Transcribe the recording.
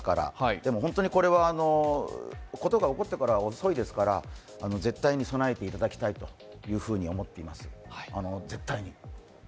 でも本当にこれは、事が起こってからでは遅いですから、絶対に備えていただきたいと思っています、絶対に。